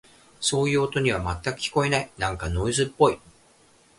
そういう音には、全く聞こえない。なんかノイズっぽい。